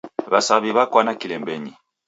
W'asaw'i w'akwana kilembenyi.